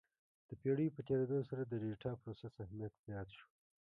د پېړیو په تېرېدو سره د ډیټا پروسس اهمیت زیات شو.